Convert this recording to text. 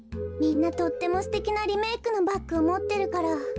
みんなとってもすてきなリメークのバッグをもってるから。